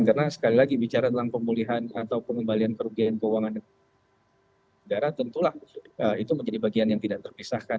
karena sekali lagi bicara tentang pemulihan atau pengembalian kerugian keuangan negara tentulah itu menjadi bagian yang tidak terpisahkan